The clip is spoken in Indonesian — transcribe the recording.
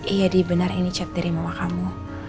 iya di benar ini chat dari mama kamu